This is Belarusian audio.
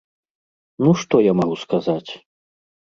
Ну, што я магу сказаць?!